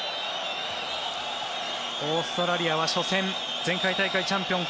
オーストラリアは初戦前回大会チャンピオン